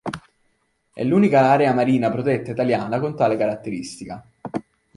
È l'unica area marina protetta italiana con tale caratteristica.